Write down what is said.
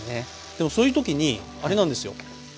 でもそういう時にあれなんですよ。